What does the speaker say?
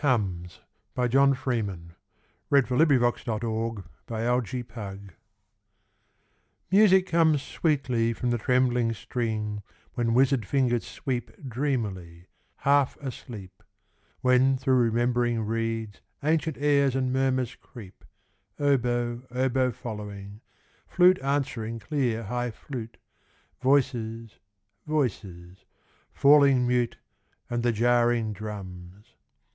Only have thou no fear Pride, but no fear. MUSIC COMES Music comes Sweetly from the trembling string When wizard fingers sweep Dreamily, half asleep; When through remembering reeds Ancient airs and murmurs creep, Oboe oboe following, Flute answering clear high flute, Voices, voices falling mute, And the jarring drums.